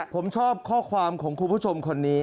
ผมชอบข้อความของคุณผู้ชมคนนี้